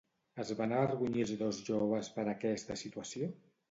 Es van avergonyir els dos joves per aquesta situació?